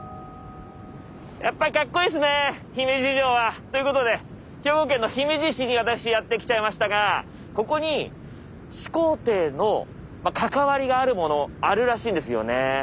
やっぱりかっこいいっすね姫路城は！ということで兵庫県姫路市に私やって来ちゃいましたがここに始皇帝の関わりがあるものあるらしいんですよね。